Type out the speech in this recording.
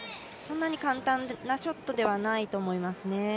そんなに簡単なショットではないと思いますね。